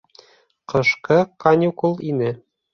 Ҡышҡы каникул ине.